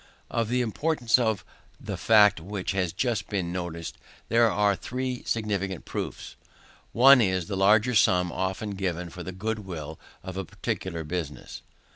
Of the importance of the fact which has just been noticed there are three signal proofs. One is, the large sum often given for the goodwill of a particular business.